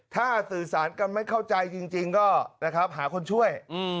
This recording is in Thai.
ถ้าสื่อสารกันไม่เข้าใจจริงก็นะครับหาคนช่วย